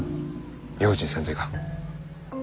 用心せんといかん。